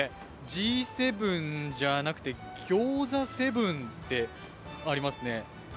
Ｇ７じゃなくてＧｙｏｚａ７ってありますね。